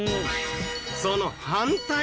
その反対！